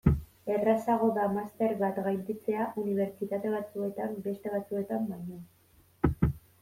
Errazagoa da master bat gainditzea unibertsitate batzuetan beste batzuetan baino.